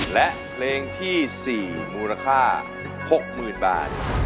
และเพลงที่๔มูลค่า๖๐๐๐บาท